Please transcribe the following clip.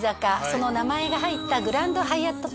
その名前が入ったグランドハイアット